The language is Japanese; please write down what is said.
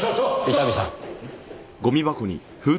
伊丹さん。